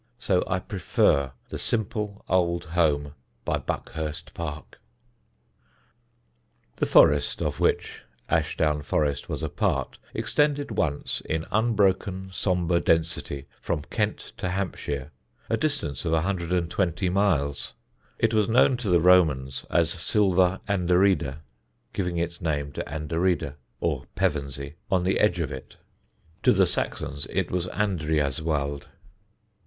So I prefer the simple old home by Buckhurst Park." [Sidenote: ASHDOWN FOREST] The forest of which Ashdown Forest was a part extended once in unbroken sombre density from Kent to Hampshire, a distance of 120 miles. It was known to the Romans as Sylva Anderida, giving its name to Anderida (or Pevensey) on the edge of it; to the Saxons it was Andreaswald.